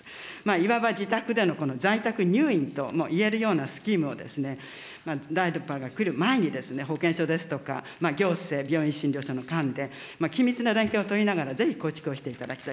いわば自宅での在宅入院ともいえるようなスキームを、第６波が来る前に保健所ですとか、行政、病院、診療所の観点、緊密な連携を取りながら、ぜひ構築をしていただきたい。